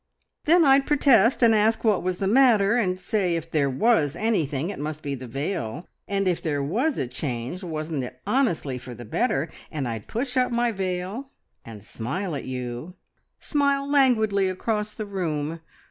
"Then I'd protest, and ask what was the matter, and say if there was anything, it must be the veil, and if there was a change wasn't it honestly for the better, and I'd push up my veil and smile at you; smile languidly across the room.